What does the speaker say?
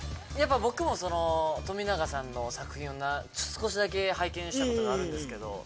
僕も冨永さんの作品を少しだけ拝見したことがあるんですけど。